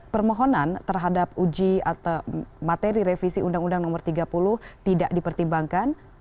permohonan terhadap uji atau materi revisi undang undang nomor tiga puluh tidak dipertimbangkan